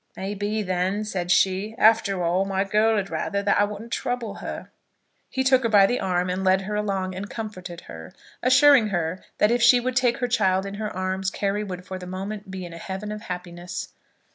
"May be, then," said she, "after all, my girl'd rather that I wouldn't trouble her." He took her by the arm and led her along, and comforted her, assuring her that if she would take her child in her arms Carry would for the moment be in a heaven of happiness.